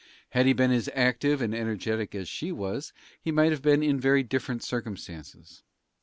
Had he been as active and energetic as she was, he might have been in very different circumstances.